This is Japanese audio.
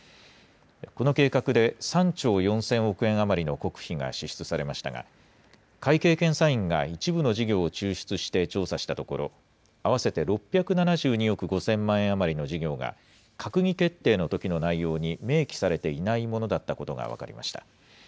この計画で３兆４０００億円余りの国費が支出されましたが、会計検査院が一部の事業を抽出して調査したところ、合わせて６７２億５０００万円余りの事業が、閣議決定のときの内容に明記されていないものだったことが分かりました。